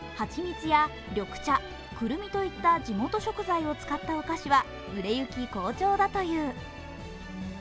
蜂蜜や緑茶、くるみといった地元食材を使ったお菓子は売れ行き好調だという。